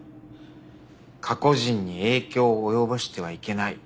過去人に影響を及ぼしてはいけない。